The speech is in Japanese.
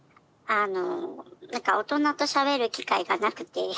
あの何か大人としゃべる機会がなくて。